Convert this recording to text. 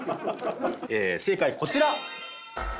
正解はこちら。